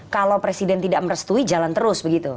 kalau presiden tidak merestui jalan terus begitu